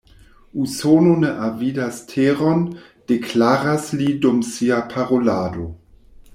Usono ne avidas teron, deklaras li dum sia parolado.